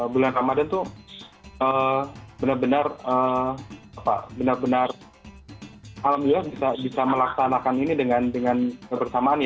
bulan ramadhan itu benar benar alhamdulillah bisa melaksanakan ini dengan kebersamaan